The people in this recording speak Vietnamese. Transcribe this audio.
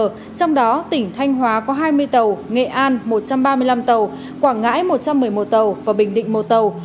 trong đó tỉnh thanh hóa có hai mươi tàu nghệ an một trăm ba mươi năm tàu quảng ngãi một trăm một mươi một tàu và bình định một tàu